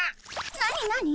何何？